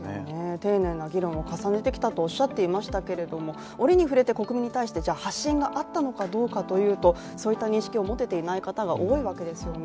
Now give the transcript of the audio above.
丁寧な議論を重ねてきたとおっしゃっていましたけども、折に触れて国民に対して発信があったのかどうかというとそういった認識を持てていない方が多いわけですよね。